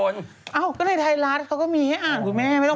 เขาก็มีให้อ่านคุณแม่ไม่ต้องมาดูรายหนูหรอก